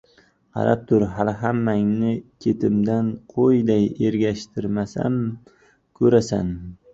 Qarab tur, hali hammangni ketimdan qo‘yday ergashtirmasam ko‘rasan!"